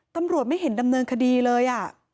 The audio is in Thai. ตำรวจไม่เห็นดำเนินคดีเลย